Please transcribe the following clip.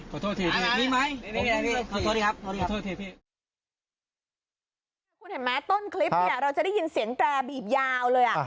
คุณเห็นไหมต้นคลิปเราจะได้ยินเสียงตราบีบยาวเลย